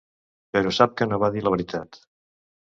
Però sap que no va dir la veritat.